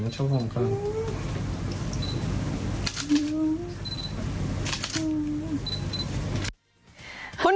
ช่วงคน